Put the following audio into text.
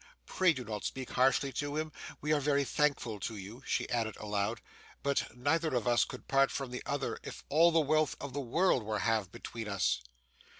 Pray do not speak harshly to him. We are very thankful to you,' she added aloud; 'but neither of us could part from the other if all the wealth of the world were halved between us.